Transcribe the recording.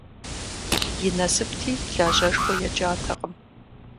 И насыпти, лажьэшхуэ екӀатэкъым.